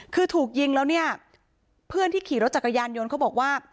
คือถูกยิงแล้วเนี่ยเพื่อนที่ขี่รถจักรยานยนต์เขาบอกว่า